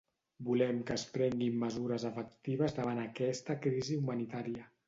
Volem que es prenguin mesures efectives davant aquesta crisi humanitària.